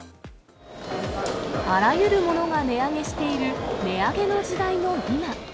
あらゆるものが値上げしている値上げの時代の今。